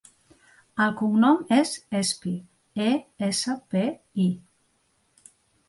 El cognom és Espi: e, essa, pe, i.